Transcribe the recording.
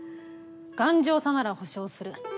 頑丈さなら保証する。